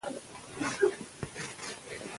اداري شفافیت د شک فضا له منځه وړي